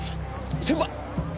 先輩！